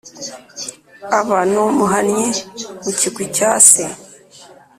aba n'umuhannyi mu kigwi cya se,